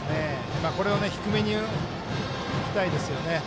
低めにいきたいですよね。